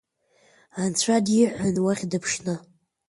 Анцәа диҳәон, уахь дыԥшны…